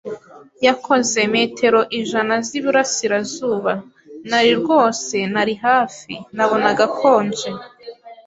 yakoze metero ijana zi burasirazuba. Nari, rwose, nari hafi. Nabonaga akonje